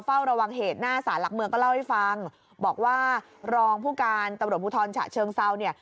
เฝ้าระวังเหตุหน้าสารหลักเมืองก็เล่าให้ฟังบอกว่ารองผู้การตำรวจภูทรฉะเชิงเซาเนี่ย